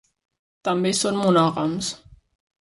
També són monògams.